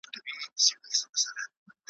که نن نه وي سبا به د زمان کندي ته لوږي ,